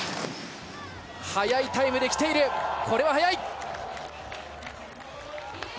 速いタイムできているこれは速い。